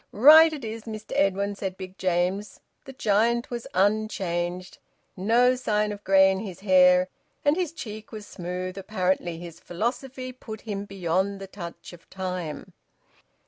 "Right it is, Mr Edwin!" said Big James. The giant was unchanged. No sign of grey in his hair; and his cheek was smooth, apparently his philosophy put him beyond the touch of time.